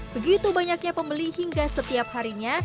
begitu banyaknya pembeli hingga setiap harinya